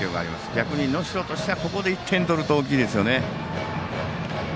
逆に能代としてはここで１点取ると大きいですね。